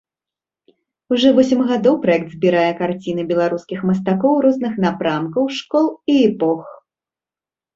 Ужо восем гадоў праект збірае карціны беларускіх мастакоў розных напрамкаў, школ і эпох.